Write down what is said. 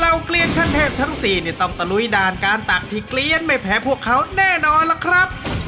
แล้วเกลียดขั้นเทปทั้ง๔ต้องตะลุยด่านการตักที่เกลียดไม่แพ้พวกเขาแน่นอนล่ะครับ